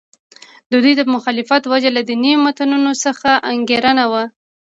د دوی د مخالفت وجه له دیني متنونو څخه انګېرنه وه.